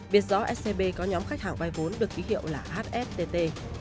biết rõ scb có nhóm khách hàng vai vốn được ký hiệu là hstt